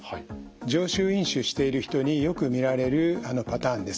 常習飲酒している人によく見られるパターンです。